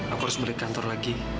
aku harus beli kantor lagi